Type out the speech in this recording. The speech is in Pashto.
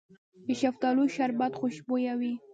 د شفتالو شربت خوشبويه وي.